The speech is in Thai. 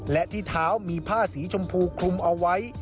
และที่เท้ามีผ้าสีชมพูคลุมเอาไว้